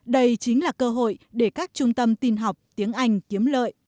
đây chính là cơ hội để các trung tâm tin học tiếng anh kiếm lợi